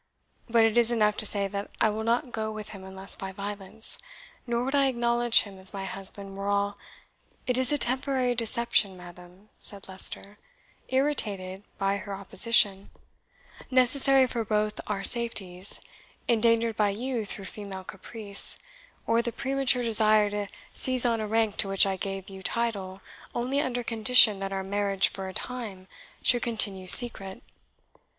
But it is enough to say that I will not go with him unless by violence, nor would I acknowledge him as my husband were all " "It is a temporary deception, madam," said Leicester, irritated by her opposition, "necessary for both our safeties, endangered by you through female caprice, or the premature desire to seize on a rank to which I gave you title only under condition that our marriage, for a time, should continue secret.